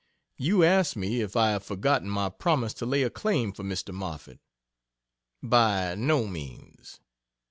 You ask me if I have for gotten my promise to lay a claim for Mr. Moffett. By no means.